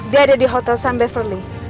dia ada di hotel sun beverly